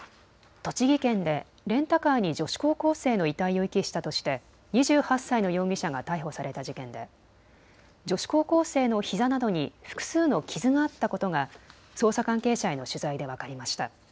栃木県でレンタカーに女子高校生の遺体を遺棄したとして２８歳の容疑者が逮捕された事件で女子高校生のひざなどに複数の傷があったことが捜査関係者への取材で分かりました。